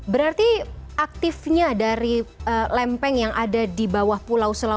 berarti aktifnya dari lempeng yang ada di bawah pulau sulawesi